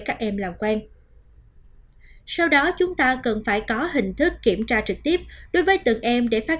các em làm quen sau đó chúng ta cần phải có hình thức kiểm tra trực tiếp đối với từng em để phát